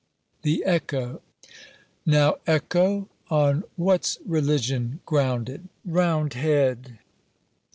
THE ECHO. Now, Echo, on what's religion grounded? _Round head!